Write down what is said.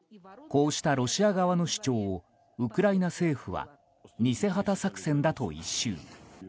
こうしたロシア側の主張をウクライナ政府は偽旗作戦だと一蹴。